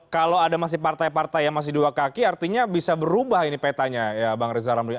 kalau ada masih partai partai yang masih dua kaki artinya bisa berubah ini petanya ya bang reza ramli